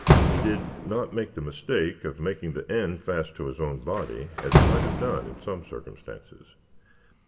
He did not make the mistake of making the end fast to his own body as he might have done in some circumstances.